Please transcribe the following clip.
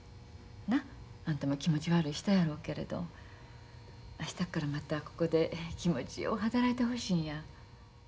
な？あんたも気持ち悪うしたやろうけれど明日からまたここで気持ちよう働いてほしいんや。